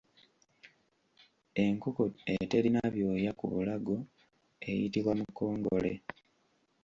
Enkoko eterina byoya ku bulago eyitibwa Mukongole.